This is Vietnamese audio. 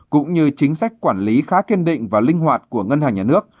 cũng như chính sách quản lý khá kiên định và linh hoạt của ngân hàng nhà nước